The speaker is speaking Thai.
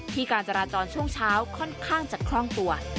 การจราจรช่วงเช้าค่อนข้างจะคล่องตัว